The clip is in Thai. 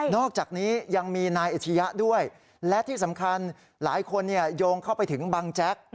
อกจากนี้ยังมีนายอัชริยะด้วยและที่สำคัญหลายคนโยงเข้าไปถึงบังแจ๊ก